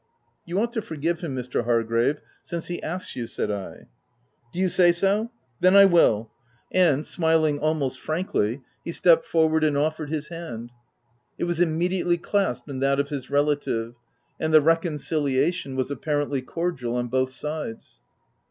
''" You ought to forgive him, Mr. Hargrave, since he asks you," said I. " Do you say so ? Then I will ! 5 ' And, n 2 268 THE TENANT smiling almost frankly, he stepped forward and offered his hand. It was immediately clasped in that of his relative, and the reconciliation was apparently cordial on both sides.